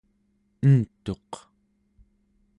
entuq